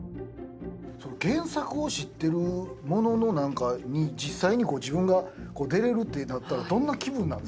原作を知ってるものに実際に自分が出れるってなったらどんな気分なんですか？